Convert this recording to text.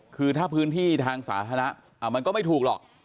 คือถ้าพื้นที่ทางสาธารณะมันก็ไม่ถูกหรอก